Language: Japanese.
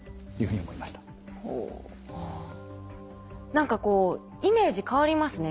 何かこうイメージ変わりますね。